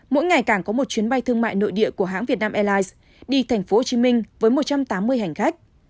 mỗi ngày cảng có một chuyến bay thương mại nội địa của hãng vietnam airlines đi tp hcm với một trăm tám mươi hành khách